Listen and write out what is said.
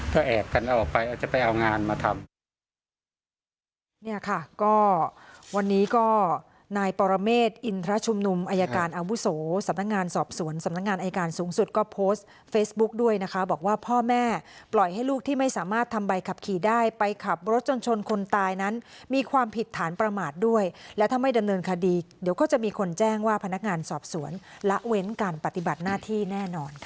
ก็แอบกันออกไปอาจจะไปเอางานมาทำ